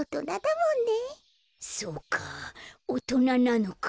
そうかおとななのか。